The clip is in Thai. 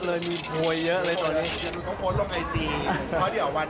มีเลขอะไรมาฝากบ้าง